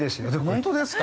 本当ですか？